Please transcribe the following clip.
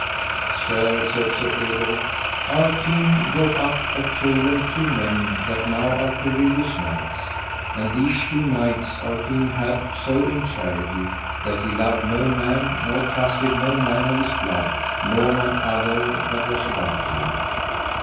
Sir, said Sir Ebel, our king brought up of children two men that now are perilous knights; and these two knights our king had so in charity, that he loved no man nor trusted no man of his blood, nor none other that was about him.